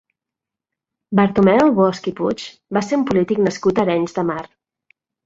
Bartomeu Bosch i Puig va ser un polític nascut a Arenys de Mar.